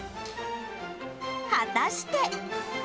果たして。